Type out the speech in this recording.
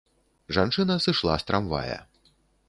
Жанчына сышла з трамвая.